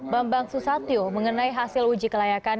bambang susatyo mengenai hasil uji kelayakan